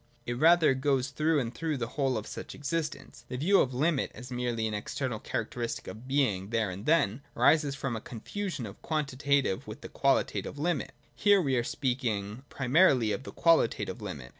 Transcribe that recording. It rather goes through and through the whole of such existence. The view of limit, as merely an external characteristic of being there and then, arises from a confusion of quantitative with qualitative limit. Here we are speaking primarily of the qualitative limit.